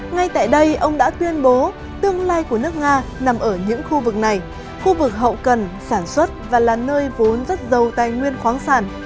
ngay tại đây ông đã tuyên bố tương lai của nước nga nằm ở những khu vực này khu vực hậu cần sản xuất và là nơi vốn rất giàu tài nguyên khoáng sản